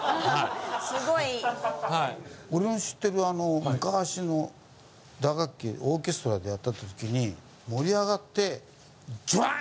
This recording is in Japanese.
すごい。俺の知ってる昔の打楽器オーケストラでやった時に盛り上がってジャーン！